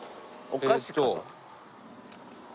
お菓子かな？